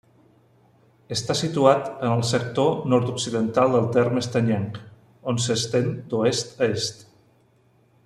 Està situat en el sector nord-occidental del terme estanyenc, on s'estén d'oest a est.